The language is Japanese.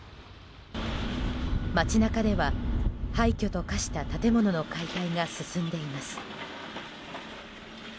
街中では、廃墟と化した建物の解体が進んでいます。